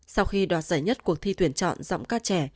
sau khi đoạt giải nhất cuộc thi tuyển chọn giọng ca trẻ